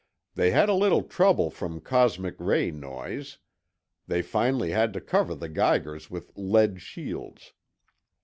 "They had a little trouble from cosmic ray noise. They finally had to cover the Geigers with lead shields.